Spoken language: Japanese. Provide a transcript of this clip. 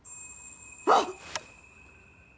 あっ！